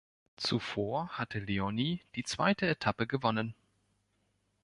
Zuvor hatte Leoni die zweite Etappe gewonnen.